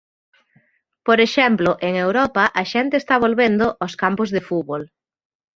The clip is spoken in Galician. Por exemplo, en Europa a xente está volvendo aos campos de fútbol.